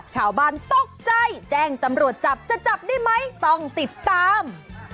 ชาวบ้านตกใจแจ้งตำรวจจับจะจับได้ไหมต้องติดตาม